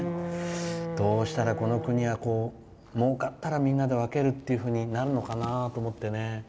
どうしたらこの国はもうかったらみんなで分けるっていうふうになるのかなと思ってね。